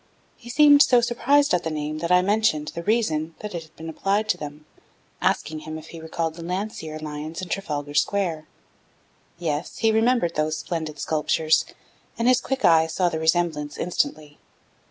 He seemed so surprised at the name that I mentioned the reason it had been applied to them, asking him if he recalled the Landseer Lions in Trafalgar Square. Yes, he remembered those splendid sculptures, and his quick eye saw the resemblance instantly.